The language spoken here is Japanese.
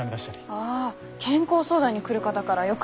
ああ健康相談に来る方がらよく聞きます